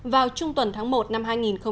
vào trung tuần tháng một năm hai nghìn một mươi bảy